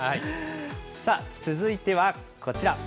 さあ、続いてはこちら。